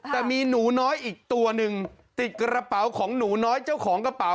แต่มีหนูน้อยอีกตัวหนึ่งติดกระเป๋าของหนูน้อยเจ้าของกระเป๋า